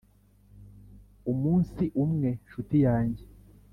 umunsi umwe nshuti yanjye,